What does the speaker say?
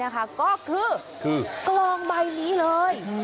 ก็คือกลองใบนี้เลย